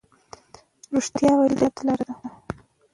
رښتیا ویل د جنت لار ده.